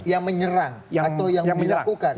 yang menyerang atau yang dilakukan